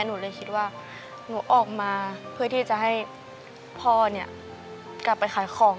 หนูเลยคิดว่าหนูออกมาเพื่อที่จะให้พ่อเนี่ยกลับไปขายของ